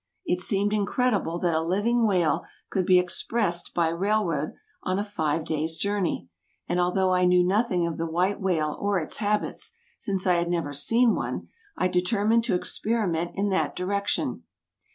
It seemed incredible that a living whale could be "expressed" by railroad on a five days' journey, and although I knew nothing of the white whale or its habits, since I had never seen one, I determined to experiment in that direction.